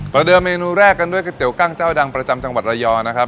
เดิมเมนูแรกกันด้วยก๋วกั้งเจ้าดังประจำจังหวัดระยองนะครับ